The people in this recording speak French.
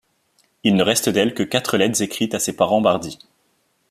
Il ne reste d’elle que quatre lettres écrites à ses parents Bardi.